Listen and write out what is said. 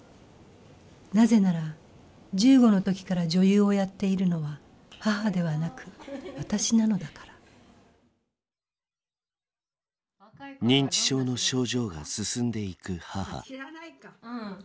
なぜなら１５の時から女優をやっているのは母ではなく私なのだから認知症の症状が進んでいく母。